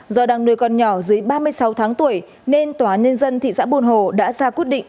do đang nuôi con nhỏ dưới ba mươi sáu tháng tuổi nên tòa nhân dân thị xã buôn hồ đã ra quyết định